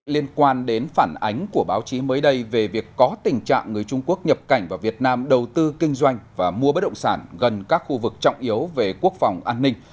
liên quan đến phản ánh của báo chí mới đây về việc có tình trạng người trung quốc nhập cảnh vào việt nam đầu tư kinh doanh và mua bất động sản gần các khu vực trọng yếu về quốc phòng an ninh